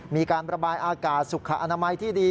มีการระบายอากาศสุขอนามัยที่ดี